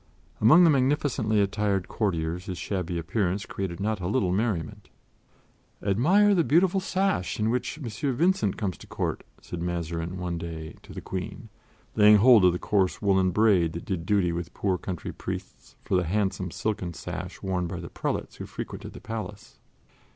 Among the magnificently attired courtiers his shabby appearance created not a little merriment. "Admire the beautiful sash in which M. Vincent comes to Court," said Mazarin one day to the Queen, laying hold of the coarse woolen braid that did duty with poor country priests for the handsome silken sash worn by the prelates who frequented the palace.